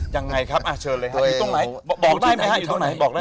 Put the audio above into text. ยังไงครับเชิญเลยอยู่ตรงไหนบอกได้ไหม